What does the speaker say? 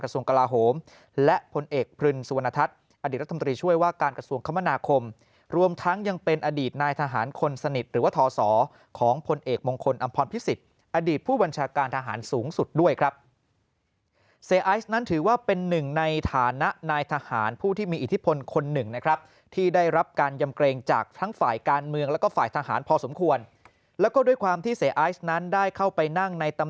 ซึ่งเป็นอดีตนายทหารคนสนิทหรือว่าทอสของผลเอกมงคลอำพรพิศิษฐ์อดีตผู้บัญชาการทหารสูงสุดด้วยครับเสียไอซ์นั้นถือว่าเป็นหนึ่งในฐานะนายทหารผู้ที่มีอิทธิพลคนหนึ่งนะครับที่ได้รับการยำเกรงจากทั้งฝ่ายการเมืองแล้วก็ฝ่ายทหารพอสมควรแล้วก็ด้วยความที่เสียไอซ์นั้นได้เข้าไปนั่งใน